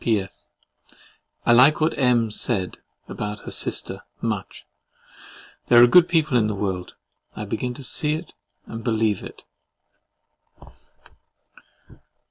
P. S.—I like what M—— said about her sister, much. There are good people in the world: I begin to see it, and believe it.